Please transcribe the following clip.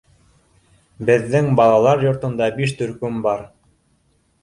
Беҙҙең балалар йортонда биш төркөм бар.